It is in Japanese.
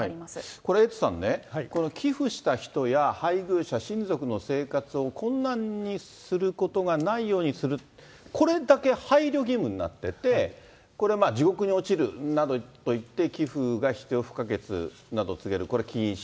これ、エイトさんね、寄付した人や配偶者、親族の生活を困難にすることがないようにする、これだけ配慮義務になってて、これはまあ地獄に落ちるなどと言って寄付が必要不可欠など告げる、これ、禁止。